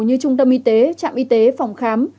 như trung tâm y tế trạm y tế phòng khám